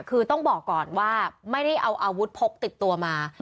คือต้องบอกก่อนว่าไม่ได้เอาอาวุธพกติดตัวมา